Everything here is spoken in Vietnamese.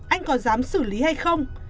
anh có dám xử lý hay không